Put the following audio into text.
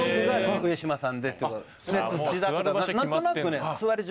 上島さん